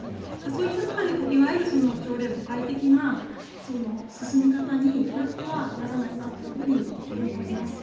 そういった中でいわゆる朝令暮改的な進み方になってはならないなと思います。